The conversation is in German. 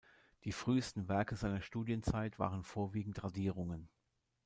Die frühesten Werke seiner Studienzeit waren vorwiegend Radierungen.